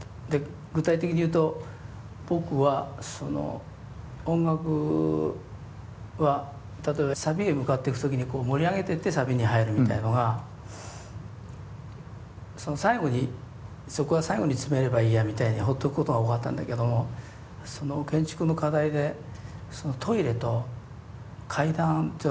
具体的に言うと僕は音楽は例えばサビへ向かっていく時に盛り上げてってサビに入るみたいなのがその最後にそこは最後に詰めればいいやみたいにほっとくことが多かったんだけどもその建築の課題でトイレと階段のが必ず作んなくちゃいけないです。